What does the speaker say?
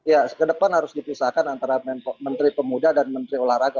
ya ke depan harus dipisahkan antara menteri pemuda dan menteri olahraga